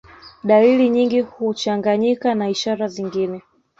Dalili nyingi huchanganyika na ishara zingine